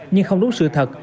nhưng không đúng sự thật